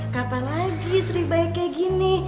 kapan lagi sri baik kayak gini